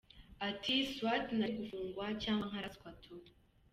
Ati: “Soit nari gufungwa cyangwa nkaraswa tu.